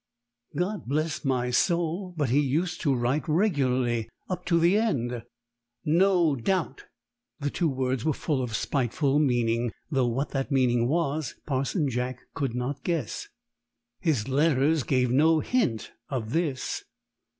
"God bless my soul! But he used to write regularly up to the end." "No doubt." The two words were full of spiteful meaning, though what that meaning was Parson Jack could not guess. "His letters gave no hint of of this."